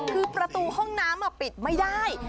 คือประตูห้องน้ำปิดไม่ได้